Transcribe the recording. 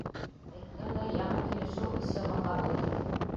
Әйткәндәй, яңы килешеү өс йылға ҡабул ителде.